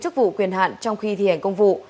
chức vụ quyền hạn trong khi thi hành công vụ